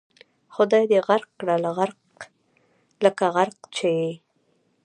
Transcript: خدای دې غرق کړه لکه غرق چې یې.